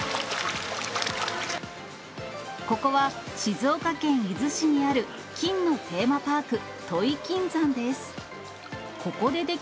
ここは、静岡県伊豆市にある金のテーマパーク、土肥金山です。